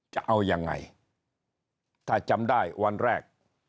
จะเอายังไงถ้าจำได้วันแรก